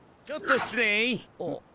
ちょっと失礼。